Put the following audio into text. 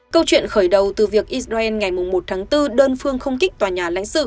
câu chuyện khởi đầu từ việc israel ngày một tháng bốn đơn phương không kích tòa nhà lãnh sự